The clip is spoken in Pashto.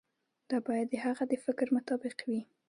دا باید د هغه د فکر مطابق وي.